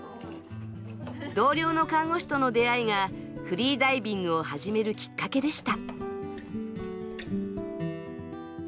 同僚の看護師との出会いが、フリーダイビングを始めるきっかけでした。